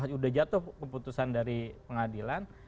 sudah jatuh keputusan dari pengadilan